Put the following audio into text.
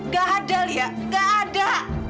gak ada dia gak ada